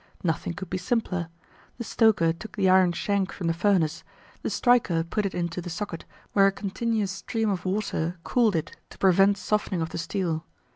Nothing could be simpler. The stoker took the iron shank from the furnace; the striker put it into the socket, where a continuous stream of water cooled it to prevent softening of the steel.